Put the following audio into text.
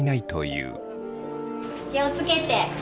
気をつけて。